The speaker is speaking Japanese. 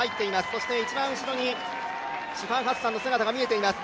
そして一番後ろに、シファン・ハッサンの姿が見えています。